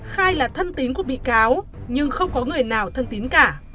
khai là thân tín của bị cáo nhưng không có người nào thân tín cả